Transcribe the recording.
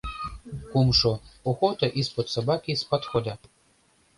Кумшо: охота из-под собаки с подхода.